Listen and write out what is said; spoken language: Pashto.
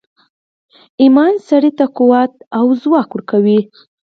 ایمان سړي ته قوت او ځواک ورکوي